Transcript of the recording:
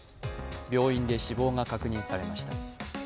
病院で死亡が確認されました。